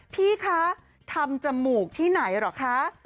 พี่คะทำจมูกที่ไหนเหรอคะ